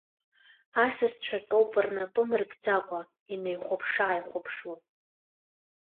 Асасцәа тәоуп рнапы амыркӡакәа, инеихәаԥшы-ааихәаԥшуа.